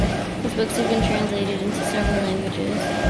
His books have been translated into several languages.